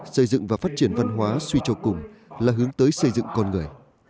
xây dựng và phát triển văn hóa suy cho cùng là hướng tới xây dựng con người